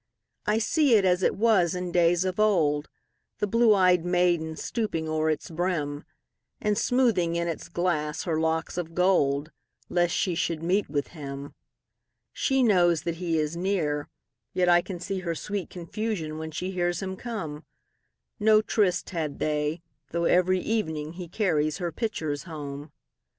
I see it as it was in days of old, The blue ey'd maiden stooping o'er its brim, And smoothing in its glass her locks of gold, Lest she should meet with him. She knows that he is near, yet I can seeHer sweet confusion when she hears him come.No tryst had they, though every evening heCarries her pitchers home.